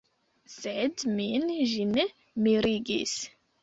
Sed min ĝi ne mirigis.